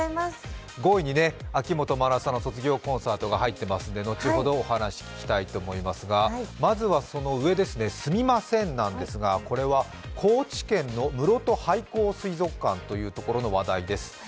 ５位に秋元真夏さんの卒業コンサートが入っていますので、後ほどお話聞きたいと思いますが、まずはその上、スミませんなんですがこれは高知県のむろと廃校水族館というところの話題です。